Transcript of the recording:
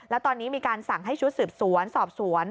แล้วตอนนี้มีการสั่งให้ชุดสืบสวนสอบสวน